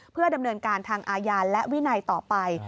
เพื่อดำเนินการทางอาญาและวินัยต่อไป